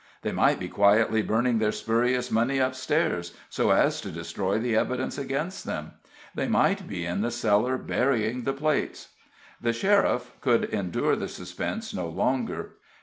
They might be quietly burning their spurious money up stairs, so as to destroy the evidence against them; they might be in the cellar burying the plates. The sheriff could endure the suspense no longer.